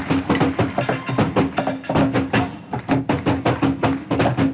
เอาล่ะถ้าพร้อมแล้วพบเลยครับ